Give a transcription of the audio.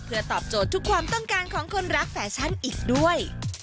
เพื่อตอบโจทย์ทุกความต้องการของคนรักแฟชั่นอีกด้วย